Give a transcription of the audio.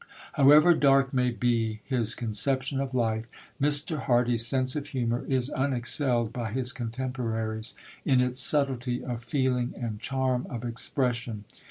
However dark may be his conception of life, Mr. Hardy's sense of humour is unexcelled by his contemporaries in its subtlety of feeling and charm of expression.